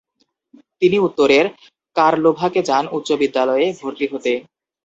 তিনি উত্তরের কারলোভাকে যান উচ্চ বিদ্যালয়ে ভর্তি হতে।